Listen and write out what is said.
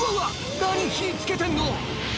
何火付けてんの！